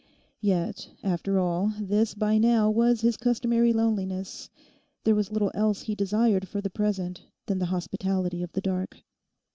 Yet, after all, this by now was his customary loneliness: there was little else he desired for the present than the hospitality of the dark.